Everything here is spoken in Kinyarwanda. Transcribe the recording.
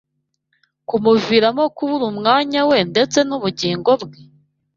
kumuviramo kubura umwanya we ndetse n’ubugingo bwe?